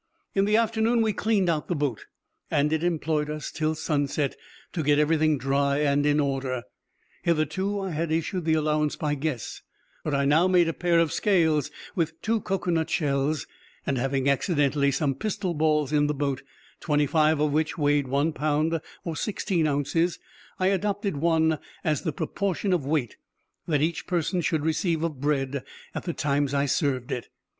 In the afternoon we cleaned out the boat, and it employed us till sunset to get everything dry and in order. Hitherto I had issued the allowance by guess, but I now made a pair of scales with two cocoa nut shells, and having accidentally some pistol balls in the boat, twenty five of which weighed one pound, or sixteen ounces, I adopted one as the proportion of weight that each person should receive of bread at the times I served it.